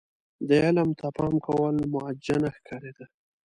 دې علم ته پام کول موجه نه ښکارېده.